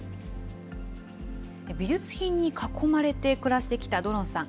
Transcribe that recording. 美術品に囲まれて暮らしてきたドロンさん。